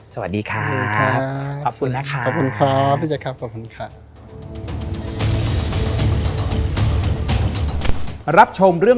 สวัสดีครับ